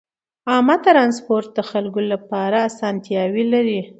عامه ترانسپورت د خلکو لپاره اسانتیاوې لري.